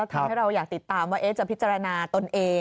ทำให้เราอยากติดตามว่าจะพิจารณาตนเอง